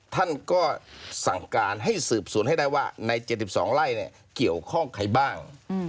ท่านก็สั่งการให้สืบสวนให้ได้ว่าใน๗๒ไร่เกี่ยวข้องใครบ้าง